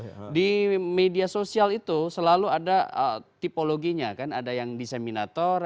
lebih positifnya lebih banyak di media sosial itu selalu ada tipologinya kan ada yang disseminator